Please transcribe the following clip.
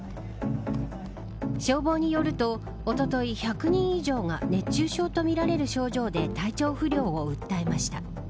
消防によると、おととい１００人以上が熱中症とみられる症状で体調不良を訴えました。